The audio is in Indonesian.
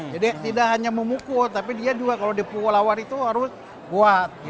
jadi tidak hanya memukul tapi dia juga kalau dipukul awal itu harus kuat